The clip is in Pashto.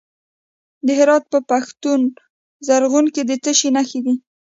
د هرات په پښتون زرغون کې د څه شي نښې دي؟